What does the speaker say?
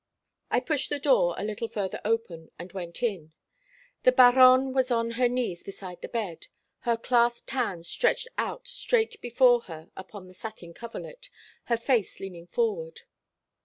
"I pushed the door a little further open, and went in. The Baronne was on her knees beside the bed, her clasped hands stretched out straight before her upon the satin coverlet, her face leaning forward.